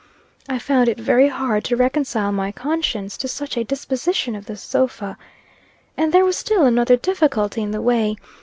I found it very hard to reconcile my conscience to such a disposition of the sofa. And there was still another difficulty in the way.